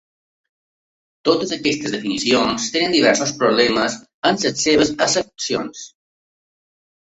Totes aquestes definicions tenen diversos problemes en les seues accepcions.